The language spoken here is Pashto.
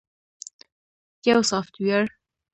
- یو سافټویر 📦